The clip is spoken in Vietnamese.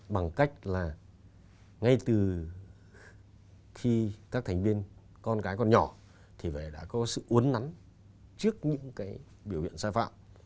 bằng cách là ngay từ khi các thành viên con cái con nhỏ thì đã có sự uốn nắn trước những cái biểu hiện sai phạm